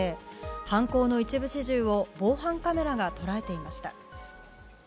犯行の一部始終を防犯カメラが捉えていました。